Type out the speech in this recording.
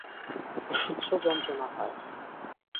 অসহ্য যন্ত্রণা হয়।